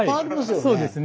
そうですね